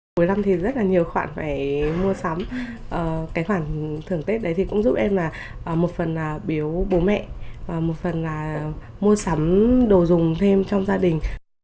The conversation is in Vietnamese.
cuối năm thì rất là nhiều khoản phải mua sắm cái khoản thưởng tết đấy thì cũng giúp em là một phần là biếu bố mẹ một phần là mua sắm đồ dùng thêm trong gia đình